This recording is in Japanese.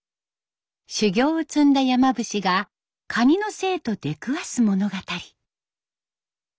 修行を積んだ山伏が蟹の精と出くわす物語。